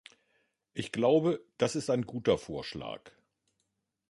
Ich glaube, das ist ein guter Vorschlag.